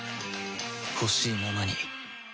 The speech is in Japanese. ほしいままに